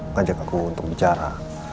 ngajak aku untuk bicara